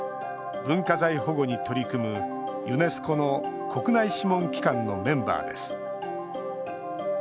文化財保護に取り組むユネスコの国内諮問機関のメンバーです。